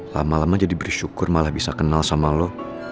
lama lama jadi bersyukur malah bisa kenal sama lo